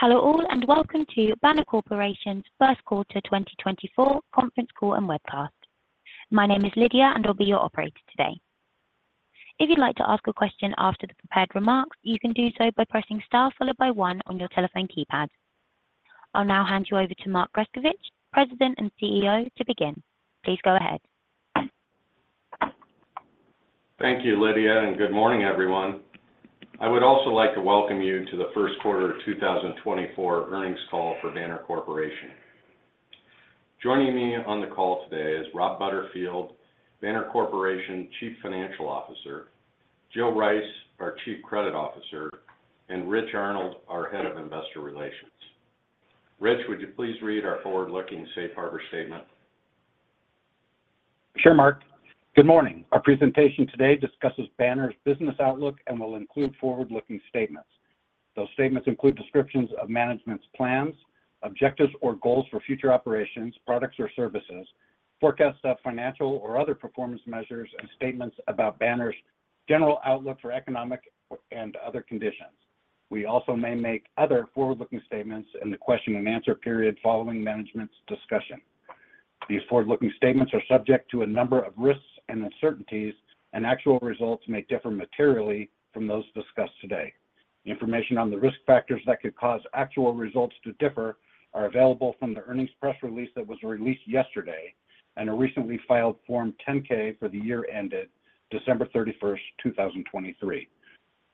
Hello all and welcome to Banner Corporation's first quarter 2024 conference call and webcast. My name is Lydia and I'll be your operator today. If you'd like to ask a question after the prepared remarks, you can do so by pressing star followed by 1 on your telephone keypad. I'll now hand you over to Mark Grescovich, President and CEO, to begin. Please go ahead. Thank you, Lydia, and good morning, everyone. I would also like to welcome you to the first quarter 2024 earnings call for Banner Corporation. Joining me on the call today is Rob Butterfield, Banner Corporation Chief Financial Officer, Jill Rice, our Chief Credit Officer, and Rich Arnold, our Head of Investor Relations. Rich, would you please read our forward-looking Safe Harbor Statement? Sure, Mark. Good morning. Our presentation today discusses Banner's business outlook and will include forward-looking statements. Those statements include descriptions of management's plans, objectives or goals for future operations, products or services, forecasts of financial or other performance measures, and statements about Banner's general outlook for economic and other conditions. We also may make other forward-looking statements in the question-and-answer period following management's discussion. These forward-looking statements are subject to a number of risks and uncertainties, and actual results may differ materially from those discussed today. Information on the risk factors that could cause actual results to differ are available from the earnings press release that was released yesterday and a recently filed Form 10-K for the year ended December 31st, 2023.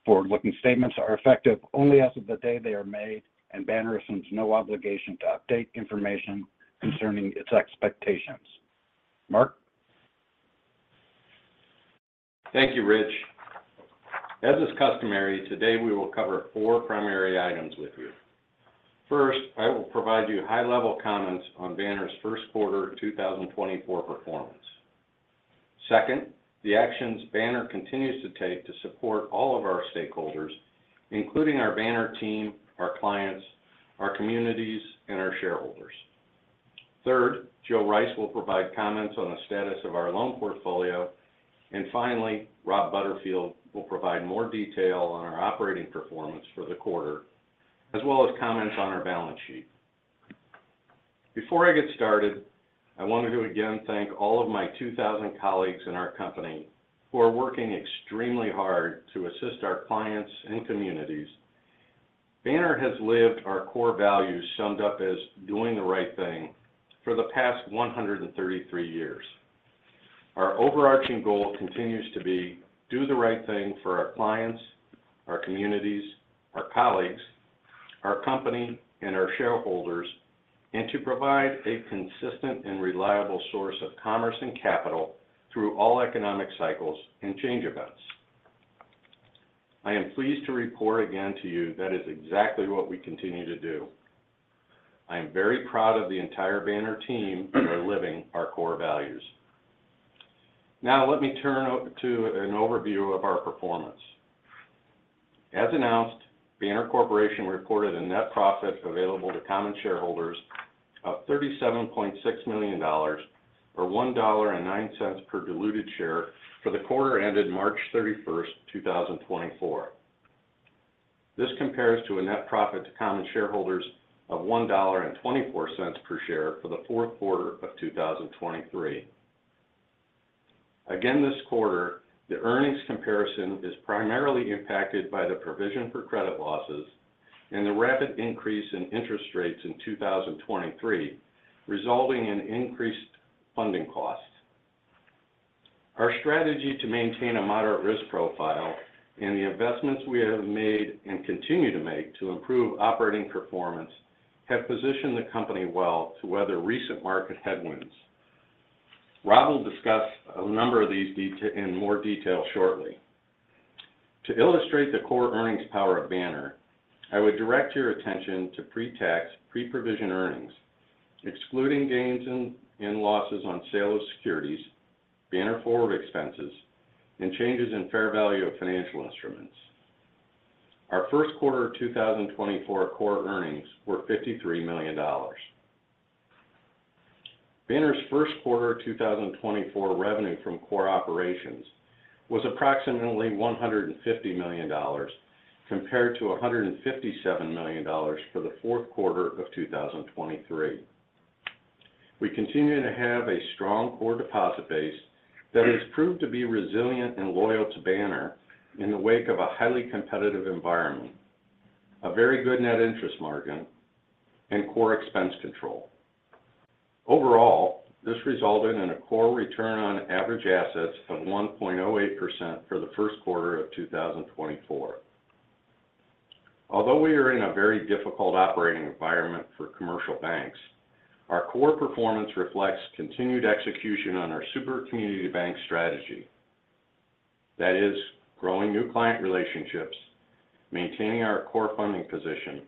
Forward-looking statements are effective only as of the day they are made, and Banner assumes no obligation to update information concerning its expectations. Mark? Thank you, Rich. As is customary, today we will cover four primary items with you. First, I will provide you high-level comments on Banner's first quarter 2024 performance. Second, the actions Banner continues to take to support all of our stakeholders, including our Banner team, our clients, our communities, and our shareholders. Third, Jill Rice will provide comments on the status of our loan portfolio. And finally, Rob Butterfield will provide more detail on our operating performance for the quarter, as well as comments on our balance sheet. Before I get started, I wanted to again thank all of my 2,000 colleagues in our company who are working extremely hard to assist our clients and communities. Banner has lived our core values summed up as "doing the right thing" for the past 133 years. Our overarching goal continues to be "do the right thing" for our clients, our communities, our colleagues, our company, and our shareholders, and to provide a consistent and reliable source of commerce and capital through all economic cycles and change events. I am pleased to report again to you that is exactly what we continue to do. I am very proud of the entire Banner team who are living our core values. Now, let me turn to an overview of our performance. As announced, Banner Corporation reported a net profit available to common shareholders of $37.6 million, or $1.09 per diluted share, for the quarter ended March 31st, 2024. This compares to a net profit to common shareholders of $1.24 per share for the fourth quarter of 2023. Again this quarter, the earnings comparison is primarily impacted by the provision for credit losses and the rapid increase in interest rates in 2023, resulting in increased funding costs. Our strategy to maintain a moderate risk profile and the investments we have made and continue to make to improve operating performance have positioned the company well to weather recent market headwinds. Rob will discuss a number of these in more detail shortly. To illustrate the core earnings power of Banner, I would direct your attention to pre-tax, pre-provision earnings, excluding gains and losses on sale of securities, Banner Forward expenses, and changes in fair value of financial instruments. Our first quarter 2024 core earnings were $53 million. Banner's first quarter 2024 revenue from core operations was approximately $150 million compared to $157 million for the fourth quarter of 2023. We continue to have a strong core deposit base that has proved to be resilient and loyal to Banner in the wake of a highly competitive environment, a very good net interest margin, and core expense control. Overall, this resulted in a core return on average assets of 1.08% for the first quarter of 2024. Although we are in a very difficult operating environment for commercial banks, our core performance reflects continued execution on our super community bank strategy. That is, growing new client relationships, maintaining our core funding position,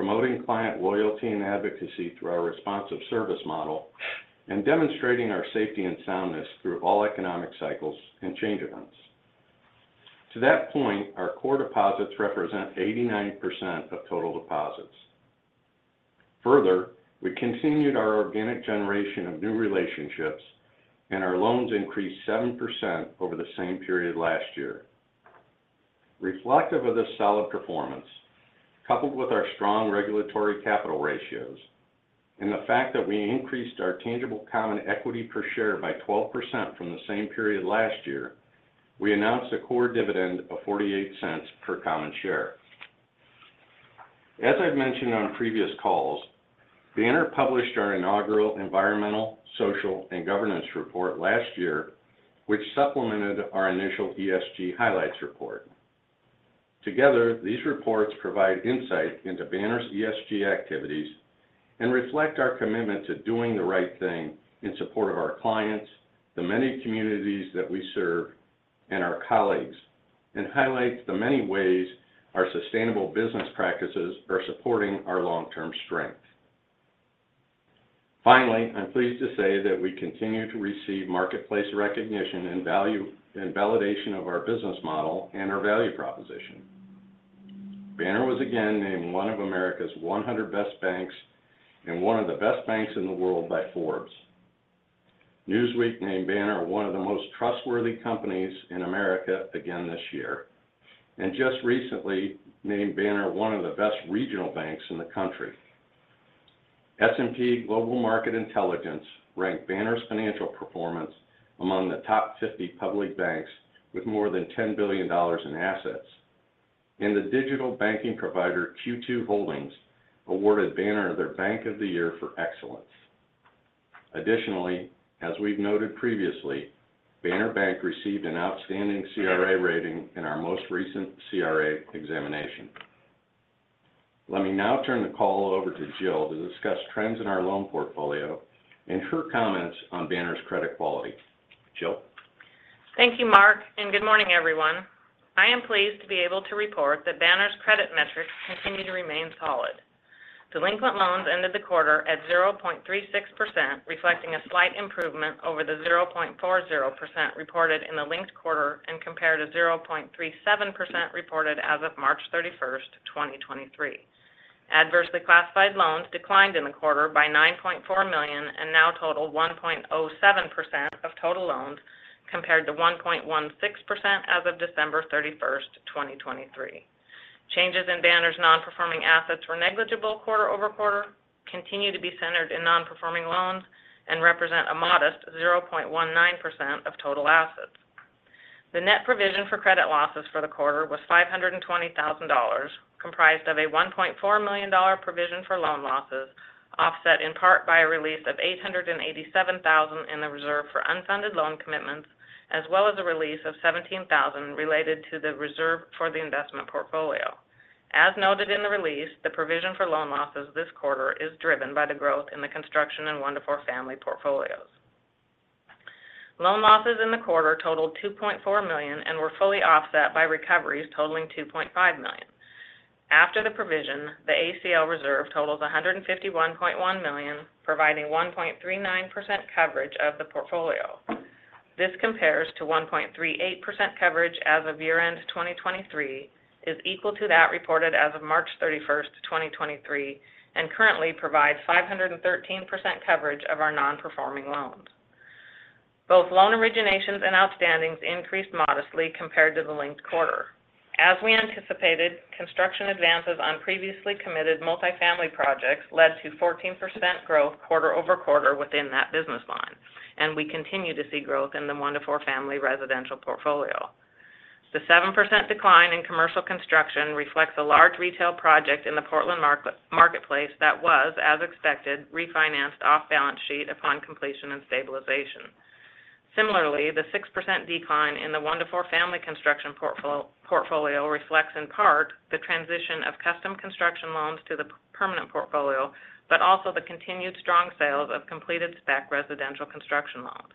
promoting client loyalty and advocacy through our responsive service model, and demonstrating our safety and soundness through all economic cycles and change events. To that point, our core deposits represent 89% of total deposits. Further, we continued our organic generation of new relationships, and our loans increased 7% over the same period last year. Reflective of this solid performance, coupled with our strong regulatory capital ratios, and the fact that we increased our tangible common equity per share by 12% from the same period last year, we announced a core dividend of $0.48 per common share. As I've mentioned on previous calls, Banner published our inaugural environmental, social, and governance report last year, which supplemented our initial ESG highlights report. Together, these reports provide insight into Banner's ESG activities and reflect our commitment to "doing the right thing" in support of our clients, the many communities that we serve, and our colleagues, and highlight the many ways our sustainable business practices are supporting our long-term strength. Finally, I'm pleased to say that we continue to receive marketplace recognition and validation of our business model and our value proposition. Banner was again named one of America's 100 best banks and one of the best banks in the world by Forbes. Newsweek named Banner one of the most trustworthy companies in America again this year, and just recently named Banner one of the best regional banks in the country. S&P Global Market Intelligence ranked Banner's financial performance among the top 50 public banks with more than $10 billion in assets, and the digital banking provider Q2 Holdings awarded Banner their Bank of the Year for excellence. Additionally, as we've noted previously, Banner Bank received an outstanding CRA rating in our most recent CRA examination. Let me now turn the call over to Jill to discuss trends in our loan portfolio and her comments on Banner's credit quality. Jill? Thank you, Mark, and good morning, everyone. I am pleased to be able to report that Banner's credit metrics continue to remain solid. Delinquent loans ended the quarter at 0.36%, reflecting a slight improvement over the 0.40% reported in the linked quarter and compared to 0.37% reported as of March 31st, 2023. Adversely classified loans declined in the quarter by $9.4 million and now total 1.07% of total loans compared to 1.16% as of December 31st, 2023. Changes in Banner's non-performing assets were negligible quarter over quarter, continue to be centered in non-performing loans, and represent a modest 0.19% of total assets. The net provision for credit losses for the quarter was $520,000, comprised of a $1.4 million provision for loan losses, offset in part by a release of $887,000 in the reserve for unfunded loan commitments, as well as a release of $17,000 related to the reserve for the investment portfolio. As noted in the release, the provision for loan losses this quarter is driven by the growth in the construction and 1-4 Family portfolios. Loan losses in the quarter totaled $2.4 million and were fully offset by recoveries totaling $2.5 million. After the provision, the ACL reserve totals $151.1 million, providing 1.39% coverage of the portfolio. This compares to 1.38% coverage as of year-end 2023, is equal to that reported as of March 31st, 2023, and currently provides 513% coverage of our non-performing loans. Both loan originations and outstandings increased modestly compared to the linked quarter. As we anticipated, construction advances on previously committed multifamily projects led to 14% growth quarter-over-quarter within that business line, and we continue to see growth in the 1-4 family residential portfolio. The 7% decline in commercial construction reflects a large retail project in the Portland marketplace that was, as expected, refinanced off balance sheet upon completion and stabilization. Similarly, the 6% decline in the 1-4 family construction portfolio reflects in part the transition of custom construction loans to the permanent portfolio, but also the continued strong sales of completed spec residential construction loans.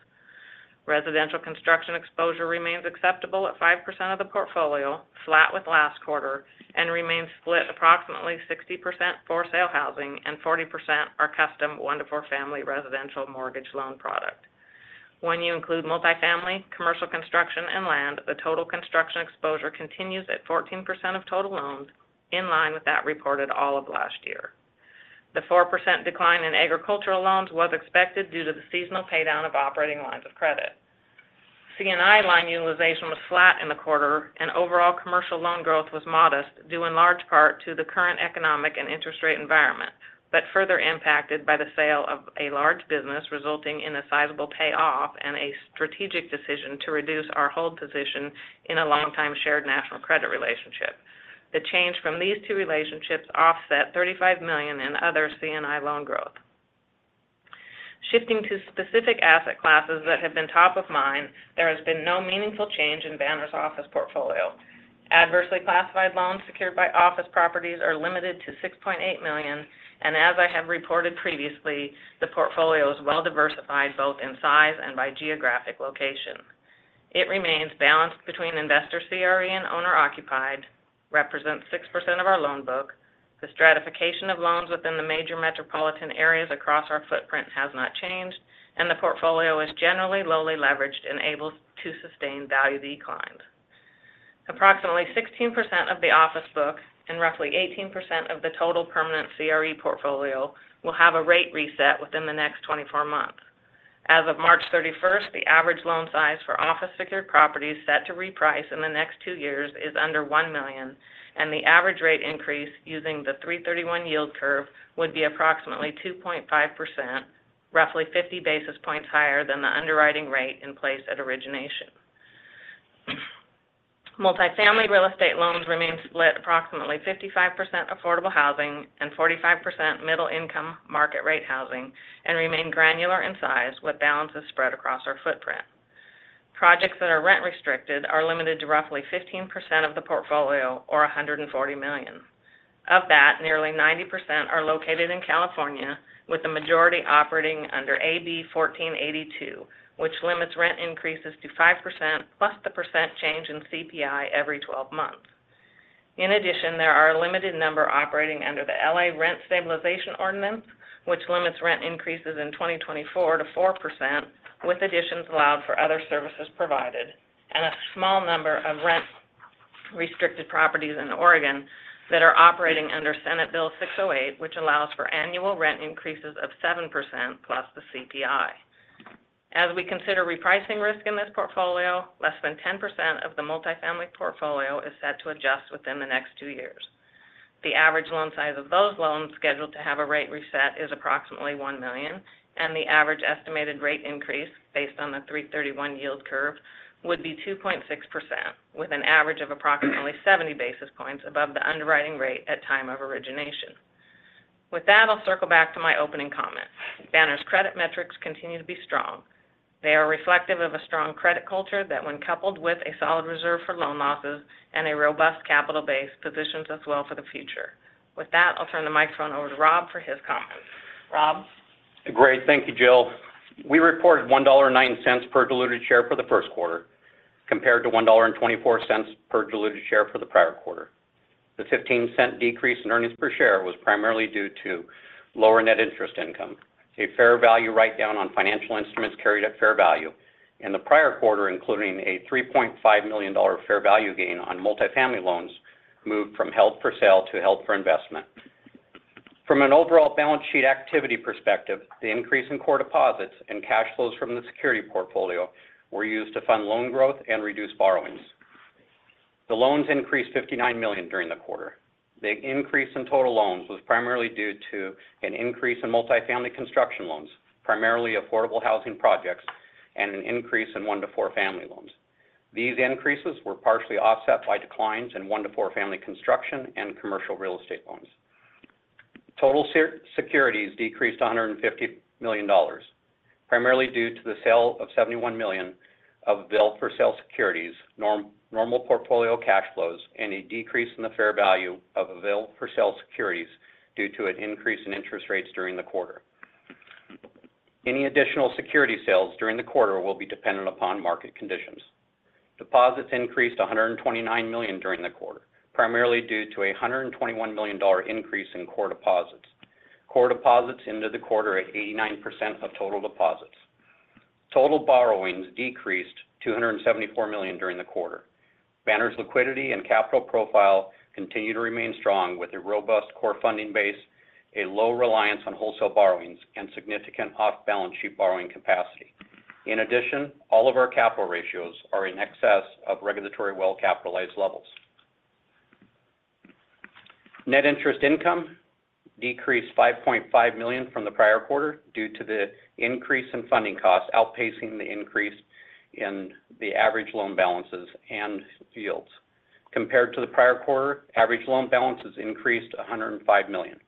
Residential construction exposure remains acceptable at 5% of the portfolio, flat with last quarter, and remains split approximately 60% for sale housing and 40% are custom 1-4 family residential mortgage loan product. When you include multifamily, commercial construction, and land, the total construction exposure continues at 14% of total loans, in line with that reported all of last year. The 4% decline in agricultural loans was expected due to the seasonal paydown of operating lines of credit. C&I line utilization was flat in the quarter, and overall commercial loan growth was modest due in large part to the current economic and interest rate environment, but further impacted by the sale of a large business resulting in a sizable payoff and a strategic decision to reduce our hold position in a long-time Shared National Credit relationship. The change from these two relationships offset $35 million in other C&I loan growth. Shifting to specific asset classes that have been top of mind, there has been no meaningful change in Banner's office portfolio. Adversely classified loans secured by office properties are limited to $6.8 million, and as I have reported previously, the portfolio is well diversified both in size and by geographic location. It remains balanced between investor CRE and owner occupied, represents 6% of our loan book, the stratification of loans within the major metropolitan areas across our footprint has not changed, and the portfolio is generally lowly leveraged and able to sustain value declines. Approximately 16% of the office book and roughly 18% of the total permanent CRE portfolio will have a rate reset within the next 24 months. As of March 31st, the average loan size for office secured properties set to reprice in the next two years is under $1 million, and the average rate increase using the 3/31 yield curve would be approximately 2.5%, roughly 50 basis points higher than the underwriting rate in place at origination. Multifamily real estate loans remain split approximately 55% affordable housing and 45% middle-income market rate housing and remain granular in size with balances spread across our footprint. Projects that are rent restricted are limited to roughly 15% of the portfolio or $140 million. Of that, nearly 90% are located in California, with the majority operating under AB 1482, which limits rent increases to 5% plus the percent change in CPI every 12 months. In addition, there are a limited number operating under the L.A. Rent Stabilization Ordinance, which limits rent increases in 2024 to 4% with additions allowed for other services provided, and a small number of rent-restricted properties in Oregon that are operating under Senate Bill 608, which allows for annual rent increases of 7% plus the CPI. As we consider repricing risk in this portfolio, less than 10% of the multifamily portfolio is set to adjust within the next two years. The average loan size of those loans scheduled to have a rate reset is approximately $1 million, and the average estimated rate increase based on the 331 yield curve would be 2.6%, with an average of approximately 70 basis points above the underwriting rate at time of origination. With that, I'll circle back to my opening comment. Banner's credit metrics continue to be strong. They are reflective of a strong credit culture that, when coupled with a solid reserve for loan losses and a robust capital base, positions us well for the future. With that, I'll turn the microphone over to Rob for his comments. Rob? Great. Thank you, Jill. We reported $1.09 per diluted share for the first quarter compared to $1.24 per diluted share for the prior quarter. The $0.15 decrease in earnings per share was primarily due to lower net interest income, a fair value write-down on financial instruments carried at fair value, and the prior quarter including a $3.5 million fair value gain on multifamily loans moved from held for sale to held for investment. From an overall balance sheet activity perspective, the increase in core deposits and cash flows from the security portfolio were used to fund loan growth and reduce borrowings. The loans increased $59 million during the quarter. The increase in total loans was primarily due to an increase in multifamily construction loans, primarily affordable housing projects, and an increase in 1-4 family loans. These increases were partially offset by declines in 1-4 family construction and commercial real estate loans. Total securities decreased $150 million, primarily due to the sale of $71 million of available-for-sale securities, normal portfolio cash flows, and a decrease in the fair value of available-for-sale securities due to an increase in interest rates during the quarter. Any additional security sales during the quarter will be dependent upon market conditions. Deposits increased $129 million during the quarter, primarily due to a $121 million increase in core deposits. Core deposits ended the quarter at 89% of total deposits. Total borrowings decreased $274 million during the quarter. Banner's liquidity and capital profile continue to remain strong with a robust core funding base, a low reliance on wholesale borrowings, and significant off-balance sheet borrowing capacity. In addition, all of our capital ratios are in excess of regulatory well-capitalized levels. Net interest income decreased $5.5 million from the prior quarter due to the increase in funding costs outpacing the increase in the average loan balances and yields. Compared to the prior quarter, average loan balances increased $105 million,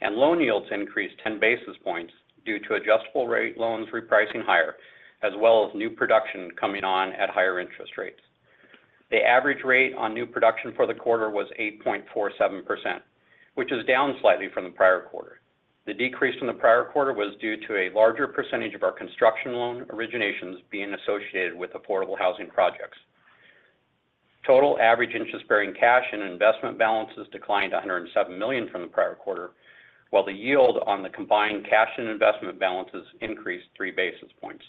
and loan yields increased 10 basis points due to adjustable rate loans repricing higher, as well as new production coming on at higher interest rates. The average rate on new production for the quarter was 8.47%, which is down slightly from the prior quarter. The decrease from the prior quarter was due to a larger percentage of our construction loan originations being associated with affordable housing projects. Total average interest-bearing cash and investment balances declined $107 million from the prior quarter, while the yield on the combined cash and investment balances increased 3 basis points.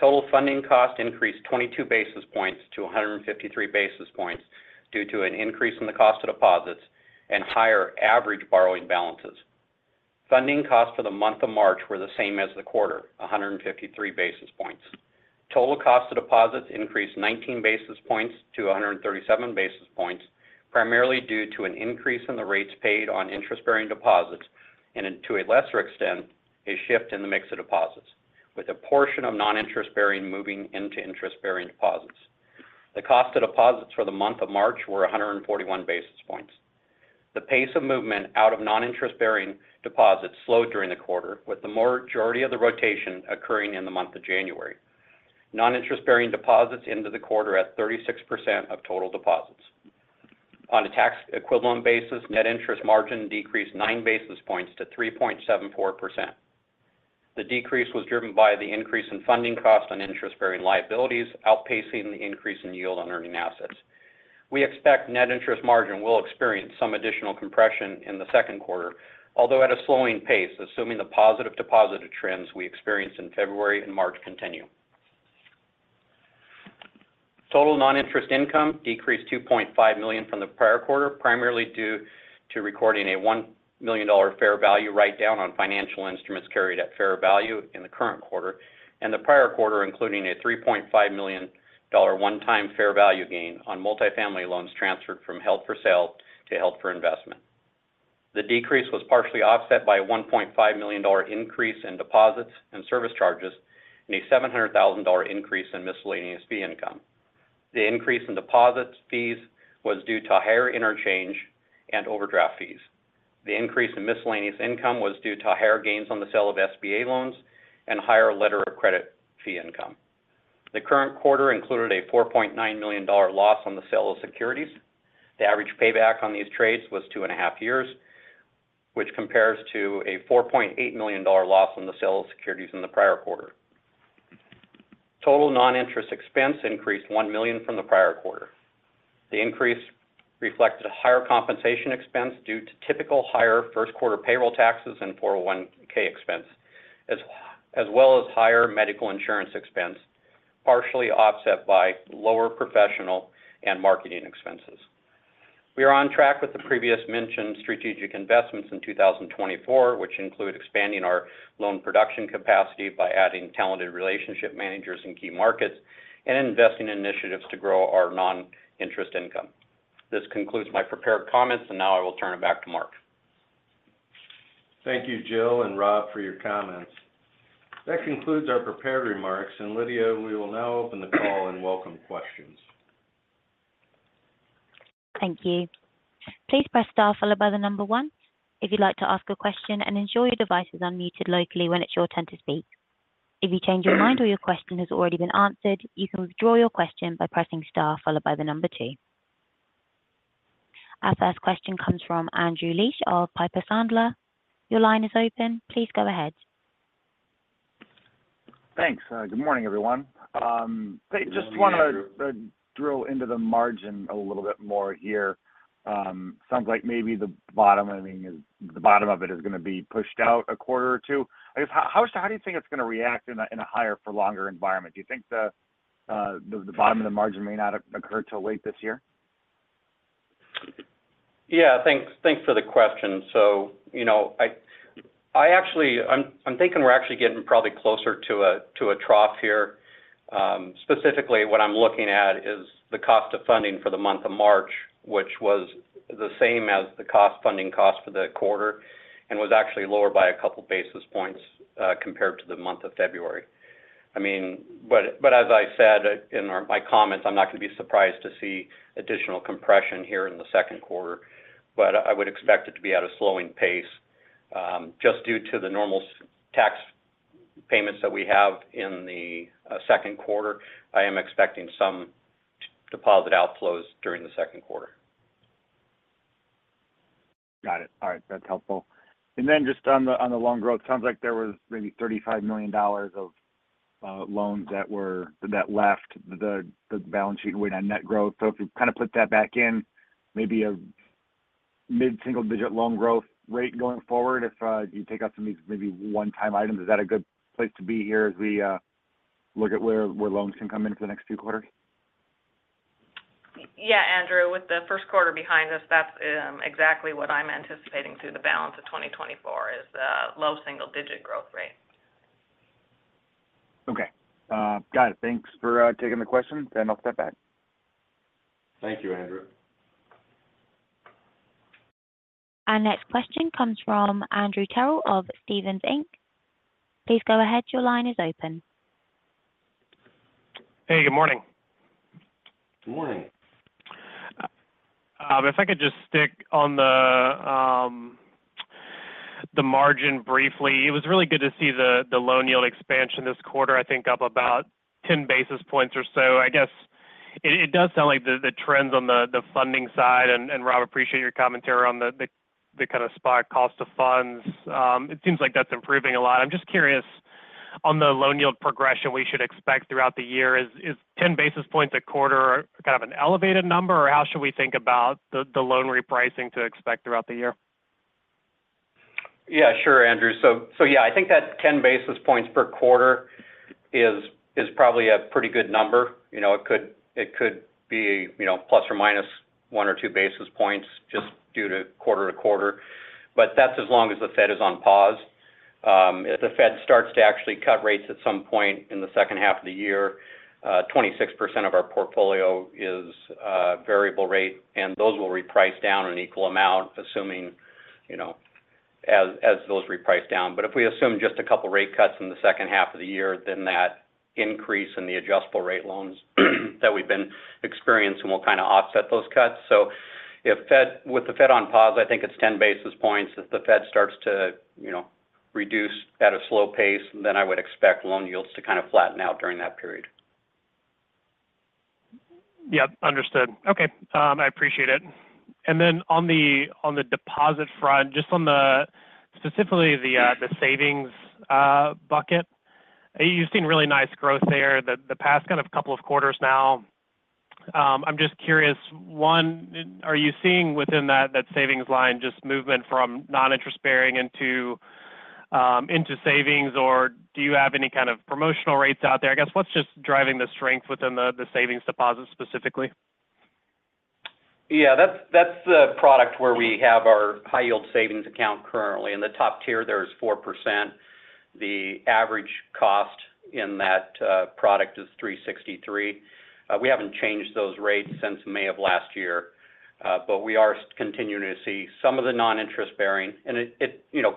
Total funding costs increased 22 basis points to 153 basis points due to an increase in the cost of deposits and higher average borrowing balances. Funding costs for the month of March were the same as the quarter, 153 basis points. Total cost of deposits increased 19 basis points to 137 basis points, primarily due to an increase in the rates paid on interest-bearing deposits and, to a lesser extent, a shift in the mix of deposits, with a portion of non-interest-bearing moving into interest-bearing deposits. The cost of deposits for the month of March were 141 basis points. The pace of movement out of non-interest-bearing deposits slowed during the quarter, with the majority of the rotation occurring in the month of January. Non-interest-bearing deposits ended the quarter at 36% of total deposits. On a tax equivalent basis, net interest margin decreased 9 basis points to 3.74%. The decrease was driven by the increase in funding costs on interest-bearing liabilities, outpacing the increase in yield on earning assets. We expect net interest margin will experience some additional compression in the second quarter, although at a slowing pace, assuming the positive deposit trends we experienced in February and March continue. Total non-interest income decreased $2.5 million from the prior quarter, primarily due to recording a $1 million fair value write-down on financial instruments carried at fair value in the current quarter and the prior quarter, including a $3.5 million one-time fair value gain on multifamily loans transferred from held for sale to held for investment. The decrease was partially offset by a $1.5 million increase in deposits and service charges and a $700,000 increase in miscellaneous fee income. The increase in deposit fees was due to higher interchange and overdraft fees. The increase in miscellaneous income was due to higher gains on the sale of SBA loans and higher letter of credit fee income. The current quarter included a $4.9 million loss on the sale of securities. The average payback on these trades was 2.5 years, which compares to a $4.8 million loss on the sale of securities in the prior quarter. Total non-interest expense increased $1 million from the prior quarter. The increase reflected higher compensation expense due to typical higher first-quarter payroll taxes and 401(k) expense, as well as higher medical insurance expense, partially offset by lower professional and marketing expenses. We are on track with the previous mentioned strategic investments in 2024, which include expanding our loan production capacity by adding talented relationship managers in key markets and investing initiatives to grow our non-interest income. This concludes my prepared comments, and now I will turn it back to Mark. Thank you, Jill and Rob, for your comments. That concludes our prepared remarks. And Lydia, we will now open the call and welcome questions. Thank you. Please press star followed by the number 1 if you'd like to ask a question and ensure your device is unmuted locally when it's your turn to speak. If you change your mind or your question has already been answered, you can withdraw your question by pressing star followed by the number 2. Our first question comes from Andrew Liesch of Piper Sandler. Your line is open. Please go ahead. Thanks. Good morning, everyone. Just want to drill into the margin a little bit more here. Sounds like maybe the bottom of it is going to be pushed out a quarter or two. I guess, how do you think it's going to react in a higher-for-longer environment? Do you think the bottom of the margin may not occur till late this year? Yeah. Thanks for the question. So I'm thinking we're actually getting probably closer to a trough here. Specifically, what I'm looking at is the cost of funding for the month of March, which was the same as the cost of funding for the quarter and was actually lower by a couple of basis points compared to the month of February. But as I said in my comments, I'm not going to be surprised to see additional compression here in the second quarter. But I would expect it to be at a slowing pace. Just due to the normal tax payments that we have in the second quarter, I am expecting some deposit outflows during the second quarter. Got it. All right. That's helpful. And then just on the loan growth, sounds like there was maybe $35 million of loans that left the balance sheet waiting on net growth. So if you kind of put that back in, maybe a mid-single-digit loan growth rate going forward, if you take out some of these maybe one-time items, is that a good place to be here as we look at where loans can come in for the next two quarters? Yeah, Andrew. With the first quarter behind us, that's exactly what I'm anticipating through the balance of 2024, is a low single-digit growth rate. Okay. Got it. Thanks for taking the questions, and I'll step back. Thank you, Andrew. Our next question comes from Andrew Terrell of Stephens Inc. Please go ahead. Your line is open. Hey. Good morning. Good morning. If I could just stick on the margin briefly, it was really good to see the loan yield expansion this quarter, I think, up about 10 basis points or so. I guess it does sound like the trends on the funding side, and Rob, appreciate your commentary on the kind of spot cost of funds. It seems like that's improving a lot. I'm just curious, on the loan yield progression we should expect throughout the year, is 10 basis points a quarter kind of an elevated number, or how should we think about the loan repricing to expect throughout the year? Yeah. Sure, Andrew. So yeah, I think that 10 basis points per quarter is probably a pretty good number. It could be plus or minus 1 or 2 basis points just due to quarter to quarter. But that's as long as the Fed is on pause. If the Fed starts to actually cut rates at some point in the second half of the year, 26% of our portfolio is variable rate, and those will reprice down an equal amount, assuming as those reprice down. But if we assume just a couple of rate cuts in the second half of the year, then that increase in the adjustable rate loans that we've been experiencing will kind of offset those cuts. So with the Fed on pause, I think it's 10 basis points. If the Fed starts to reduce at a slow pace, then I would expect loan yields to kind of flatten out during that period. Yep. Understood. Okay. I appreciate it. And then on the deposit front, just specifically the savings bucket, you've seen really nice growth there the past kind of couple of quarters now. I'm just curious, one, are you seeing within that savings line just movement from non-interest-bearing into savings, or do you have any kind of promotional rates out there? I guess what's just driving the strength within the savings deposit specifically? Yeah. That's the product where we have our High-Yield Savings Account currently. In the top tier, there's 4%. The average cost in that product is 363. We haven't changed those rates since May of last year, but we are continuing to see some of the non-interest-bearing and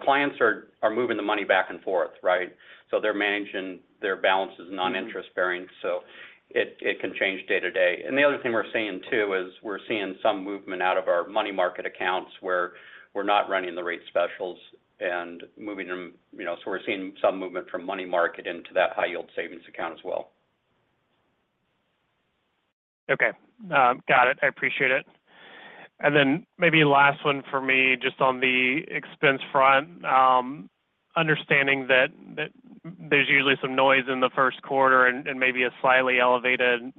clients are moving the money back and forth, right? So they're managing their balances non-interest-bearing, so it can change day to day. And the other thing we're seeing, too, is we're seeing some movement out of our money market accounts where we're not running the rate specials and moving them. So we're seeing some movement from money market into that High-Yield Savings Account as well. Okay. Got it. I appreciate it. And then maybe last one for me, just on the expense front, understanding that there's usually some noise in the first quarter and maybe a slightly elevated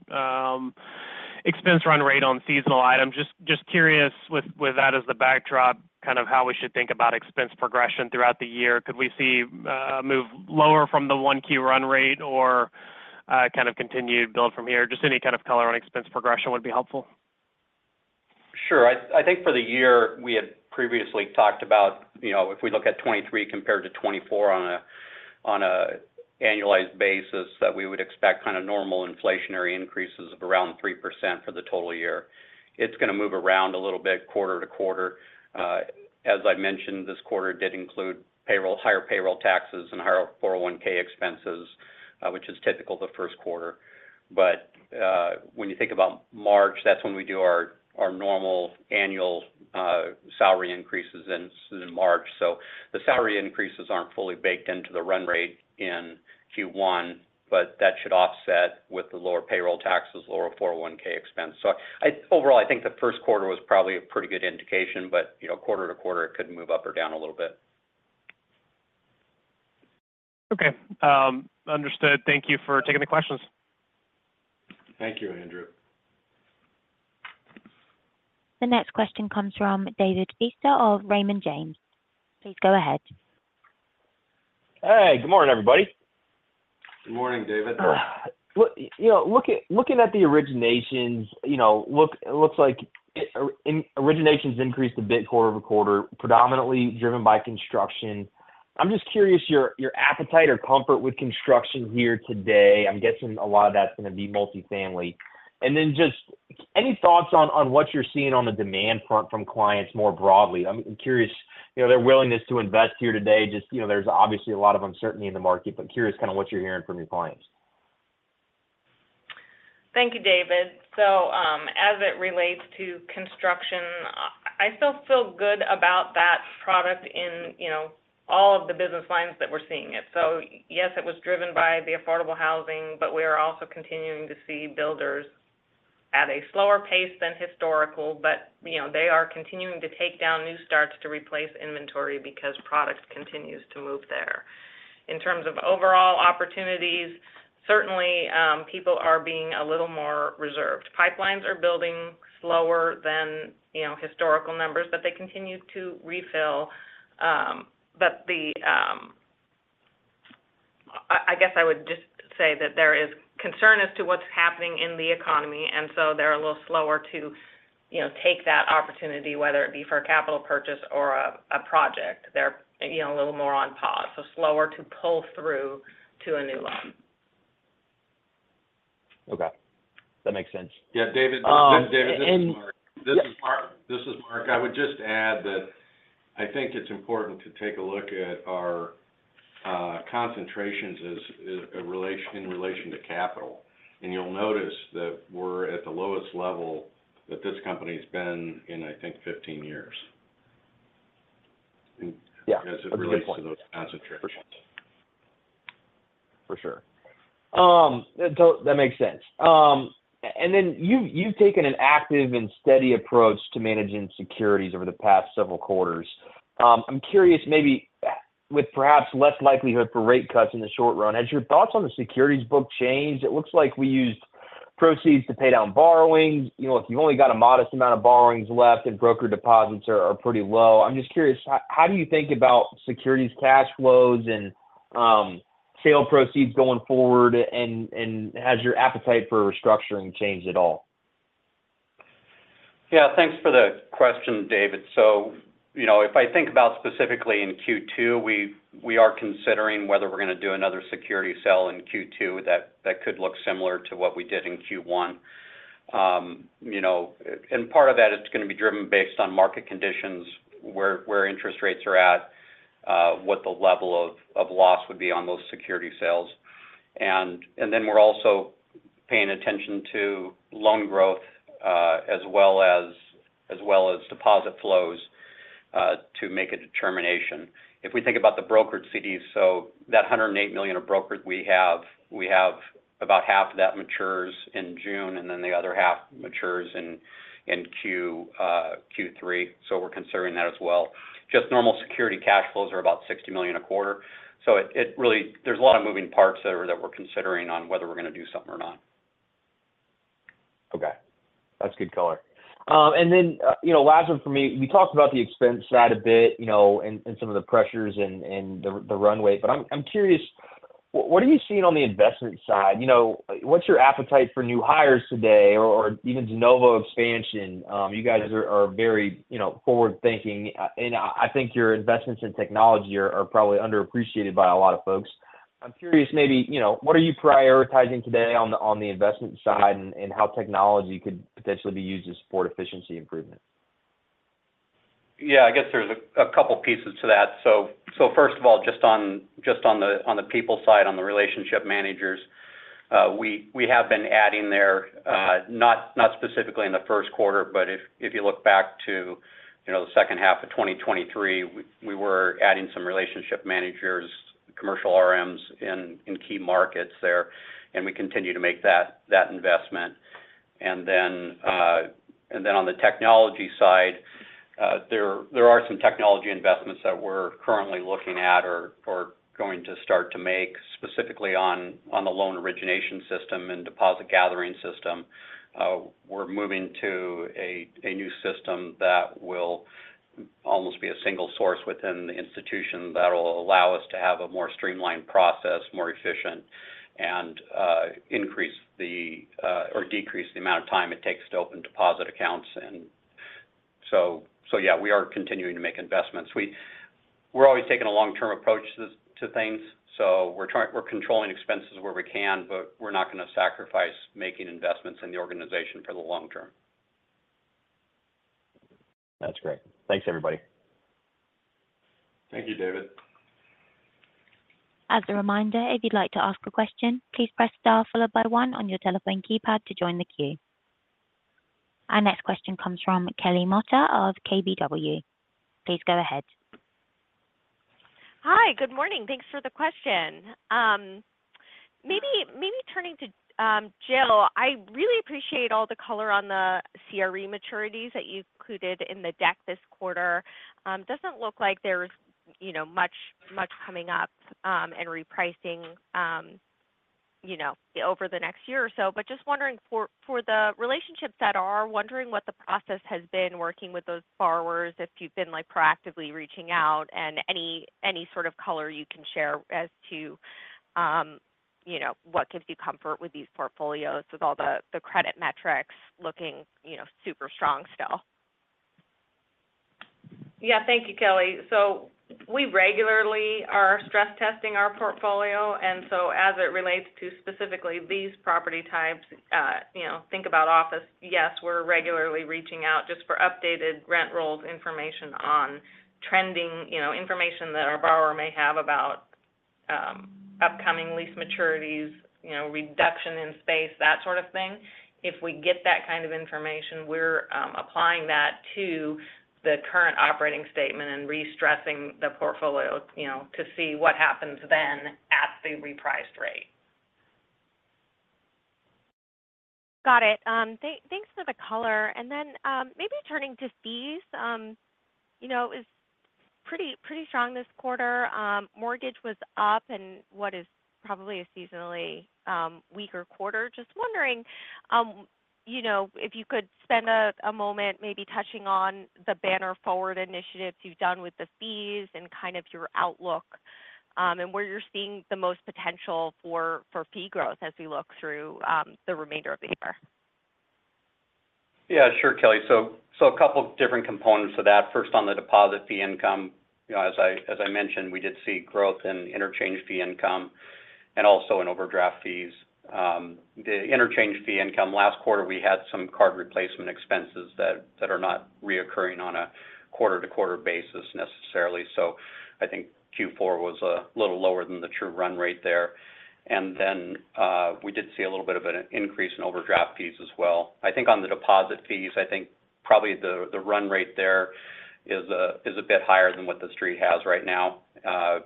expense run rate on seasonal items, just curious with that as the backdrop kind of how we should think about expense progression throughout the year. Could we see a move lower from the Q1 run rate or kind of continued build from here? Just any kind of color on expense progression would be helpful. Sure. I think for the year we had previously talked about if we look at 2023 compared to 2024 on an annualized basis, that we would expect kind of normal inflationary increases of around 3% for the total year. It's going to move around a little bit quarter to quarter. As I mentioned, this quarter did include higher payroll taxes and higher 401(k) expenses, which is typical the first quarter. But when you think about March, that's when we do our normal annual salary increases in March. So the salary increases aren't fully baked into the run rate in Q1, but that should offset with the lower payroll taxes, lower 401(k) expense. So overall, I think the first quarter was probably a pretty good indication, but quarter to quarter, it could move up or down a little bit. Okay. Understood. Thank you for taking the questions. Thank you, Andrew. The next question comes from David Feaster of Raymond James. Please go ahead. Hey. Good morning, everybody. Good morning, David. Looking at the originations, it looks like originations increased a bit quarter-over-quarter, predominantly driven by construction. I'm just curious, your appetite or comfort with construction here today, I'm guessing a lot of that's going to be multifamily. And then just any thoughts on what you're seeing on the demand front from clients more broadly? I'm curious, their willingness to invest here today, just there's obviously a lot of uncertainty in the market, but curious kind of what you're hearing from your clients. Thank you, David. As it relates to construction, I still feel good about that product in all of the business lines that we're seeing it. Yes, it was driven by the affordable housing, but we are also continuing to see builders at a slower pace than historical, but they are continuing to take down new starts to replace inventory because product continues to move there. In terms of overall opportunities, certainly, people are being a little more reserved. Pipelines are building slower than historical numbers, but they continue to refill. I guess I would just say that there is concern as to what's happening in the economy, and so they're a little slower to take that opportunity, whether it be for a capital purchase or a project. They're a little more on pause, so slower to pull through to a new loan. Okay. That makes sense. Yeah. David, this is Mark. This is Mark. I would just add that I think it's important to take a look at our concentrations in relation to capital. And you'll notice that we're at the lowest level that this company's been in, I think, 15 years as it relates to those concentrations. For sure. That makes sense. And then you've taken an active and steady approach to managing securities over the past several quarters. I'm curious, maybe with perhaps less likelihood for rate cuts in the short run, had your thoughts on the securities book changed? It looks like we used proceeds to pay down borrowings. If you've only got a modest amount of borrowings left and broker deposits are pretty low, I'm just curious, how do you think about securities cash flows and sale proceeds going forward, and has your appetite for restructuring changed at all? Yeah. Thanks for the question, David. So if I think about specifically in Q2, we are considering whether we're going to do another security sale in Q2. That could look similar to what we did in Q1. Part of that is going to be driven based on market conditions, where interest rates are at, what the level of loss would be on those security sales. Then we're also paying attention to loan growth as well as deposit flows to make a determination. If we think about the brokered CDs, so that $108 million of brokered we have, about half of that matures in June, and then the other half matures in Q3. So we're considering that as well. Just normal security cash flows are about $60 million a quarter. So there's a lot of moving parts that we're considering on whether we're going to do something or not. Okay. That's good color. And then last one for me, we talked about the expense side a bit and some of the pressures and the runway, but I'm curious, what are you seeing on the investment side? What's your appetite for new hires today or even De Novo expansion? You guys are very forward-thinking, and I think your investments in technology are probably underappreciated by a lot of folks. I'm curious, maybe, what are you prioritizing today on the investment side and how technology could potentially be used to support efficiency improvement? Yeah. I guess there's a couple of pieces to that. So first of all, just on the people side, on the relationship managers, we have been adding there, not specifically in the first quarter, but if you look back to the second half of 2023, we were adding some relationship managers, commercial RMs, in key markets there, and we continue to make that investment. And then on the technology side, there are some technology investments that we're currently looking at or going to start to make, specifically on the loan origination system and deposit gathering system. We're moving to a new system that will almost be a single source within the institution that will allow us to have a more streamlined process, more efficient, and increase the or decrease the amount of time it takes to open deposit accounts. And so yeah, we are continuing to make investments. We're always taking a long-term approach to things. So we're controlling expenses where we can, but we're not going to sacrifice making investments in the organization for the long term. That's great. Thanks, everybody. Thank you, David. As a reminder, if you'd like to ask a question, please press star followed by one on your telephone keypad to join the queue. Our next question comes from Kelly Motta of KBW. Please go ahead. Hi. Good morning. Thanks for the question. Maybe turning to Jill, I really appreciate all the color on the CRE maturities that you included in the deck this quarter. Doesn't look like there's much coming up and repricing over the next year or so. But just wondering, for the relationships, wondering what the process has been working with those borrowers, if you've been proactively reaching out, and any sort of color you can share as to what gives you comfort with these portfolios with all the credit metrics looking super strong still. Yeah. Thank you, Kelly. So we regularly are stress-testing our portfolio. And so as it relates to specifically these property types, think about office. Yes, we're regularly reaching out just for updated rent rolls information on trending information that our borrower may have about upcoming lease maturities, reduction in space, that sort of thing. If we get that kind of information, we're applying that to the current operating statement and restressing the portfolio to see what happens then at the repriced rate. Got it. Thanks for the color. And then maybe turning to fees, it was pretty strong this quarter. Mortgage was up and what is probably a seasonally weaker quarter. Just wondering if you could spend a moment maybe touching on the Banner Forward initiatives you've done with the fees and kind of your outlook and where you're seeing the most potential for fee growth as we look through the remainder of the year. Yeah. Sure, Kelly. So a couple of different components to that. First, on the deposit fee income, as I mentioned, we did see growth in interchange fee income and also in overdraft fees. The interchange fee income, last quarter, we had some card replacement expenses that are not recurring on a quarter-to-quarter basis necessarily. So I think Q4 was a little lower than the true run rate there. And then we did see a little bit of an increase in overdraft fees as well. I think on the deposit fees, I think probably the run rate there is a bit higher than what the street has right now.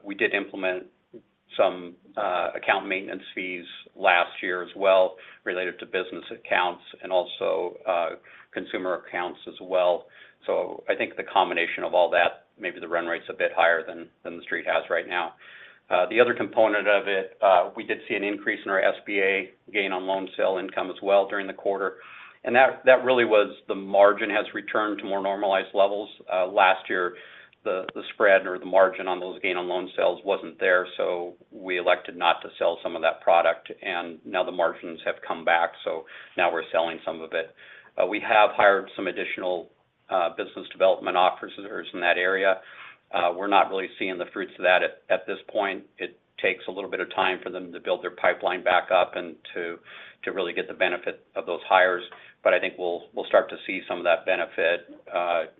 We did implement some account maintenance fees last year as well related to business accounts and also consumer accounts as well. So I think the combination of all that, maybe the run rate's a bit higher than the street has right now. The other component of it, we did see an increase in our SBA gain on loan sale income as well during the quarter. And that really was the margin has returned to more normalized levels. Last year, the spread or the margin on those gain on loan sales wasn't there, so we elected not to sell some of that product. And now the margins have come back, so now we're selling some of it. We have hired some additional business development officers in that area. We're not really seeing the fruits of that at this point. It takes a little bit of time for them to build their pipeline back up and to really get the benefit of those hires. But I think we'll start to see some of that benefit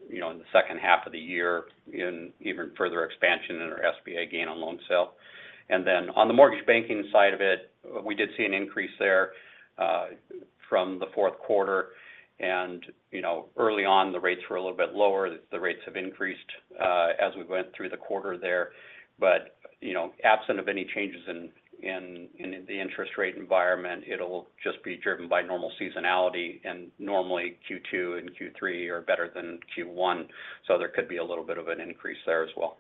in the second half of the year in even further expansion in our SBA gain on loan sale. On the mortgage banking side of it, we did see an increase there from the fourth quarter. Early on, the rates were a little bit lower. The rates have increased as we went through the quarter there. Absent of any changes in the interest rate environment, it'll just be driven by normal seasonality. Normally, Q2 and Q3 are better than Q1. There could be a little bit of an increase there as well.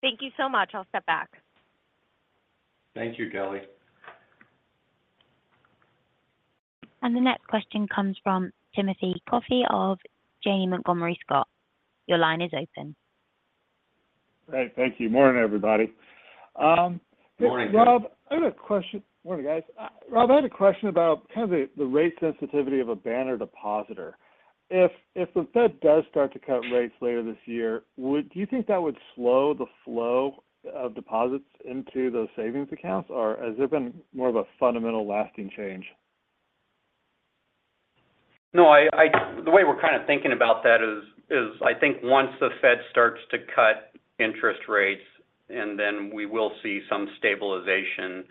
Thank you so much. I'll step back. Thank you, Kelly. The next question comes from Timothy Coffey of Janney Montgomery Scott. Your line is open. Great. Thank you. Morning, everybody. Good morning, Tim. Rob, I had a question. Morning, guys. Rob, I had a question about kind of the rate sensitivity of a Banner depositor. If the Fed does start to cut rates later this year, do you think that would slow the flow of deposits into those savings accounts, or has there been more of a fundamental lasting change? No. The way we're kind of thinking about that is, I think once the Fed starts to cut interest rates, and then we will see some stabilization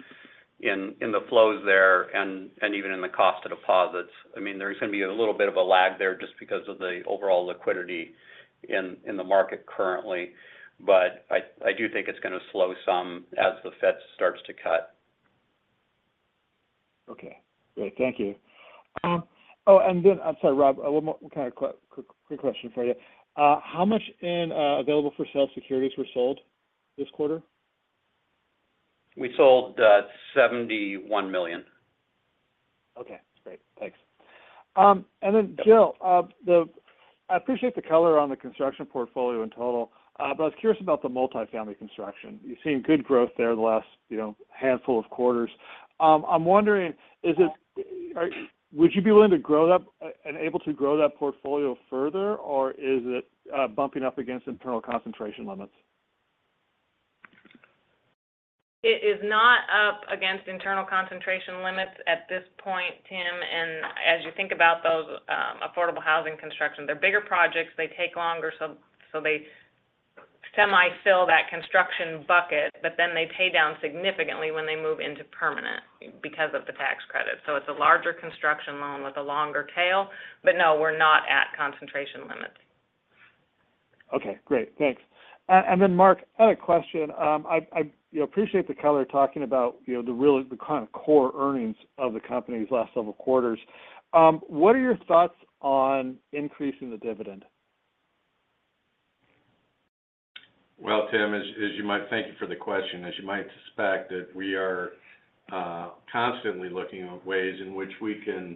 in the flows there and even in the cost of deposits. I mean, there's going to be a little bit of a lag there just because of the overall liquidity in the market currently. But I do think it's going to slow some as the Fed starts to cut. Okay. Great. Thank you. Oh, and then I'm sorry, Rob. One more kind of quick question for you. How much in available for sale securities were sold this quarter? We sold $71 million. Okay. Great. Thanks. And then, Jill, I appreciate the color on the construction portfolio in total, but I was curious about the multifamily construction. You've seen good growth there the last handful of quarters. I'm wondering, would you be willing to grow that and able to grow that portfolio further, or is it bumping up against internal concentration limits? It is not up against internal concentration limits at this point, Tim. As you think about those affordable housing construction, they're bigger projects. They take longer, so they semi-fill that construction bucket, but then they pay down significantly when they move into permanent because of the tax credit. It's a larger construction loan with a longer tail. No, we're not at concentration limits. Okay. Great. Thanks. And then, Mark, another question. I appreciate the color talking about the kind of core earnings of the companies last several quarters. What are your thoughts on increasing the dividend? Well, Tim, as you might think, thank you for the question. As you might suspect, we are constantly looking at ways in which we can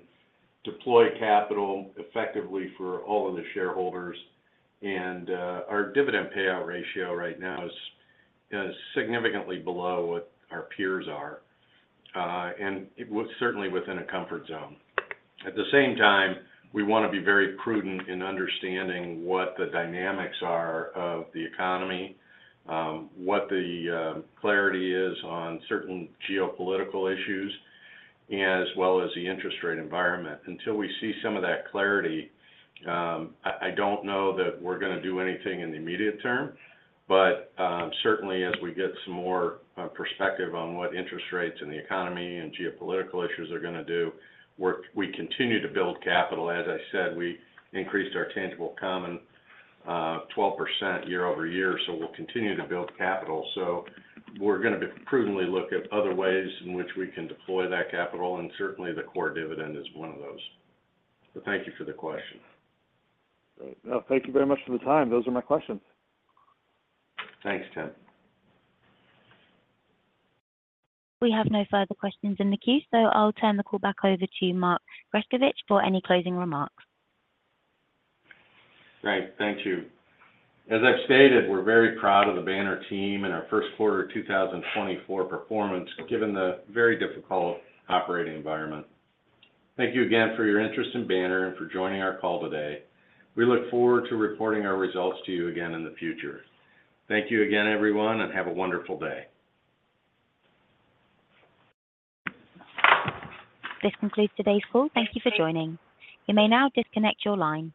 deploy capital effectively for all of the shareholders. Our dividend payout ratio right now is significantly below what our peers are, and certainly within a comfort zone. At the same time, we want to be very prudent in understanding what the dynamics are of the economy, what the clarity is on certain geopolitical issues, as well as the interest rate environment. Until we see some of that clarity, I don't know that we're going to do anything in the immediate term. But certainly, as we get some more perspective on what interest rates and the economy and geopolitical issues are going to do, we continue to build capital. As I said, we increased our tangible common 12% year-over-year, so we'll continue to build capital. So we're going to prudently look at other ways in which we can deploy that capital. And certainly, the core dividend is one of those. But thank you for the question. Great. Well, thank you very much for the time. Those are my questions. Thanks, Tim. We have no further questions in the queue, so I'll turn the call back over to Mark Grescovich for any closing remarks. Great. Thank you. As I've stated, we're very proud of the Banner team and our first quarter 2024 performance given the very difficult operating environment. Thank you again for your interest in Banner and for joining our call today. We look forward to reporting our results to you again in the future. Thank you again, everyone, and have a wonderful day. This concludes today's call. Thank you for joining. You may now disconnect your line.